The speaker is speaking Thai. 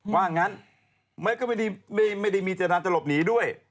ว่างั้นก็ไม่ได้มีเจตนาจะหลบหนีด้วย